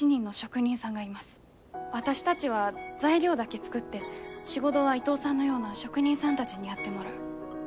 私たちは材料だけ作って仕事は伊藤さんのような職人さんたちにやってもらう。